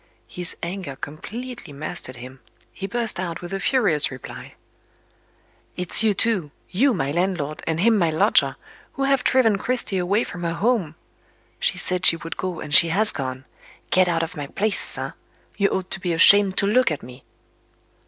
His anger completely mastered him; he burst out with a furious reply. "It's you two you my landlord, and him my lodger who have driven Cristy away from her home. She said she would go, and she has gone. Get out of my place, sir! You ought to be ashamed to look at me."